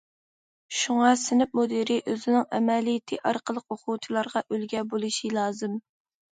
شۇڭا سىنىپ مۇدىرى ئۆزىنىڭ ئەمەلىيىتى ئارقىلىق ئوقۇغۇچىلارغا ئۈلگە بولۇشى لازىم.